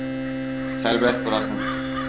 Serbest bırakın.